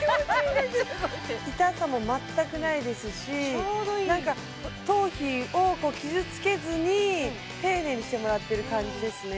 ちょうどいいなんか頭皮を傷つけずに丁寧にしてもらってる感じですね